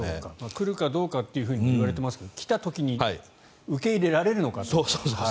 来るかどうかといわれていますが来た時に受け入れられるのか。